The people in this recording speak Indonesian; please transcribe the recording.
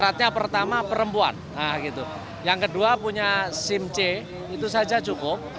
rata pertama perempuan yang kedua punya simc itu saja cukup